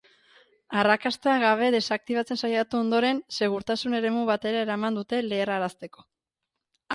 Arrakasta gabe desaktibatzen saiatu ostean, segurtasun eremu batetara eraman dute leherrarazteko.